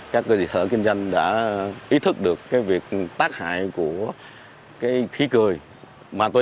các cơ sở kinh doanh đã ý thức được cái việc tác hại của cái khí cười ma túy